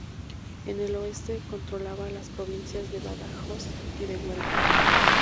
En el oeste controlaba las provincias de Badajoz y de Huelva.